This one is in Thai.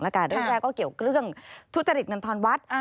เรื่องแรกก็เกี่ยวกับเรื่องทุจริตนันทรวัฒน์